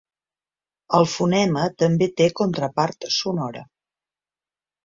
El fonema també té contrapart sonora.